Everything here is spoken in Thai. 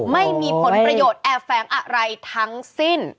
ไม่มีผลประโยชน์แอบแฝงอะไรทั้งสิ้น